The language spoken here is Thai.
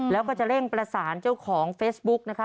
แล้วก็จะเร่งประสานเจ้าของเฟซบุ๊กนะคะ